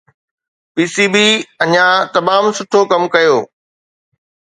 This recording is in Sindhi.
بي بي سي اڃا تمام سٺو ڪم ڪيو.